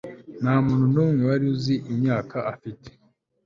nta muntu n'umwe wari uzi imyaka afite